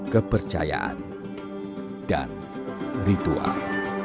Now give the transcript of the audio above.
kepercayaan dan ritual